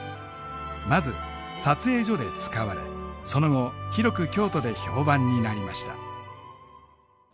まず撮影所で使われその後広く京都で評判になりました。